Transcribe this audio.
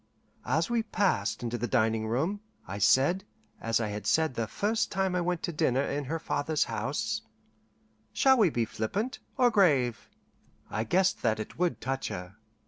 As we passed into the dining room, I said, as I had said the first time I went to dinner in her father's house, "Shall we be flippant, or grave?" I guessed that it would touch her.